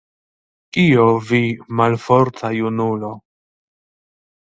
Kio, vi, malforta junulo?